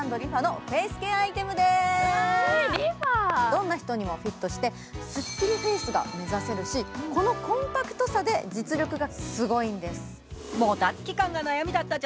どんな人にもフィットしてすっきりフェイスが目指せるしこのコンパクトさで実力がすごいんです。